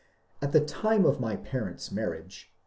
At the time of my parents' marriage.